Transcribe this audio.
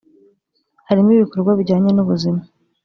harimo ibikorwa bijyanye n’ubuzima